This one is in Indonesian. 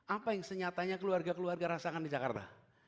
apa yang senyatanya keluarga keluarga rasakan di jakarta